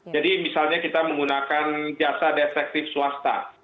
jadi misalnya kita menggunakan jasa detektif swasta